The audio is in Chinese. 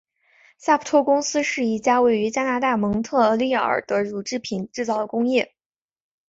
萨普托公司是一家位于加拿大蒙特利尔的乳制品制造公司。